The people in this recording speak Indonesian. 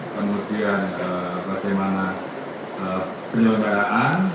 kemudian bagaimana penyelenggaraan